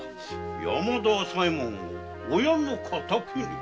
山田朝右衛門を親の敵と。